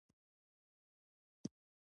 د ماشوم د سوځیدو لپاره د الوویرا جیل وکاروئ